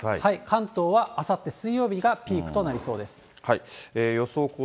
関東はあさって水曜日がピークとなりそうです。